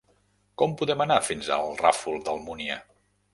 Com podem anar fins al Ràfol d'Almúnia?